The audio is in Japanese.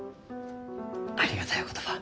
ありがたいお言葉。